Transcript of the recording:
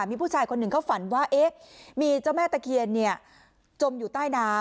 มีผู้ชายคนหนึ่งเขาฝันว่ามีเจ้าแม่ตะเคียนจมอยู่ใต้น้ำ